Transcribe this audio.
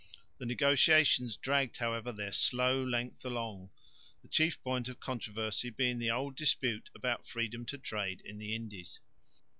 The negotiations dragged however their slow length along, the chief point of controversy being the old dispute about freedom to trade in the Indies.